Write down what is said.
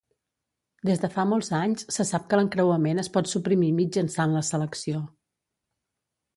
Des de fa molts anys se sap que l'encreuament es pot suprimir mitjançant la selecció.